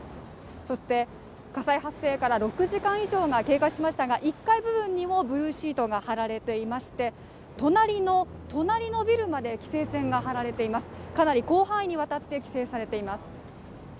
そして、火災発生から６時間以上が経過しましたが、１階部分にもブルーシートが張られていまして、隣の隣のビルまで規制線が張られていますかなり広範囲にわたって規制されています。